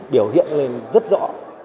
biểu hiện lên rất rõ